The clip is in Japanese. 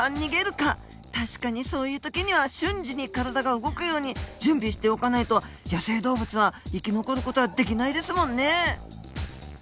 確かにそういうときには瞬時に体が動くように準備しておかないと野生動物は生き残る事はできないですもんね。